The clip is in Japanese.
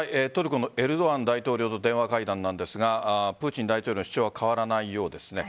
トルコのエルドアン大統領と電話会談なんですがプーチン大統領の主張は変わらないようです。